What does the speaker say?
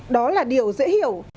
đó là điều dễ hiểu